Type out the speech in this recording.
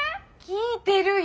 聞いてるよ！